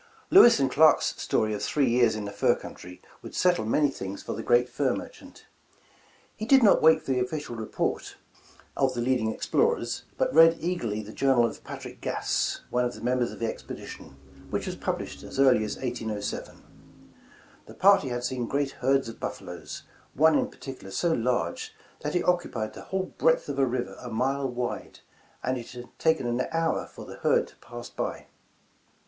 Lewis and Clark's story of three years in the fur country would settle many things for the great fur merchant. 149 The Original John Jacob Astor He did not wait for the official report of the leading explorers, but read eagerly the journal of Patrick Gass, one of the members of the expedition, which was published as early as 1807. The party had seen great herds of buffaloes, one in particular so large that it occupied the whole breadth of a river a mile wide, and it had taken an hour for the herd to pass by.